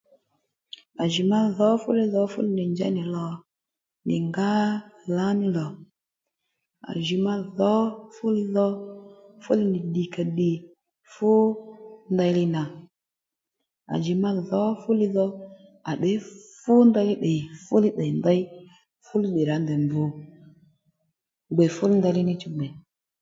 À jì ma dhǒ fúli dhò fúli nì njěy nì lì nì ngǎ lǎní lò à jì ma dhǒ fúli dho fúli nì ddìkàddì fú ndeyli nà à jì ma dhǒ fúli dho à tdě fú ndeyli tdè fúli tdè ndey fúli nì rǎ gbù gbè fú ndeyli níchú gbè